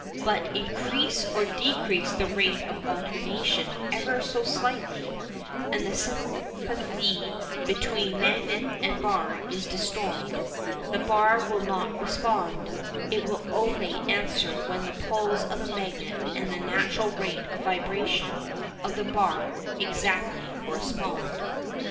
But increase or decrease the rate of alternation ever so slightly, and that sympathy between magnet and bar is destroyed. The bar will not then respond. It will only answer when the pulls of the magnet and the natural rate of vibration of the bar exactly correspond.